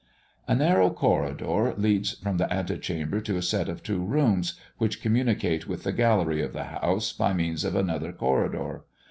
A narrow corridor leads from the ante chamber to a set of two rooms, which communicate with the gallery of the House by means of another corridor.